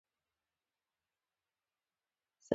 سمندر نه شتون د افغانستان د کلتوري میراث برخه ده.